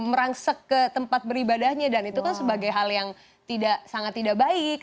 merangsek ke tempat beribadahnya dan itu kan sebagai hal yang sangat tidak baik